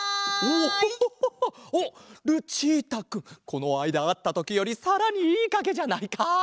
このあいだあったときよりさらにいいかげじゃないか！